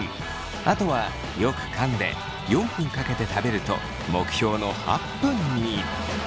あとはよくかんで４分かけて食べると目標の８分に。